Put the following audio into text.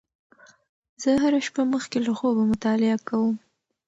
زه هره شپه مخکې له خوبه مطالعه کوم.